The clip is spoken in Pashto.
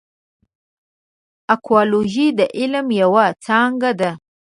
اکولوژي د علم یوه څانګه ده.